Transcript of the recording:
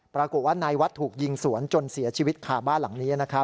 ปรากฏว่านายวัดถูกยิงสวนจนเสียชีวิตคาบ้านหลังนี้นะครับ